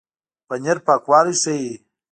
پنېر پاکوالی ښيي.